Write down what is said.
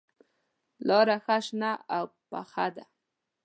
لاره ښه شنه او پوخه ده.